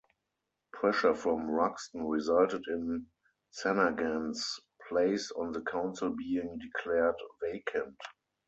Pressure from Ruxton resulted in Sanaghan's place on the Council being declared vacant.